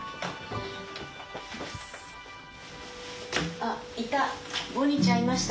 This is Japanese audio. あっいた！